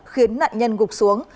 khiến nạn nhân gục xuống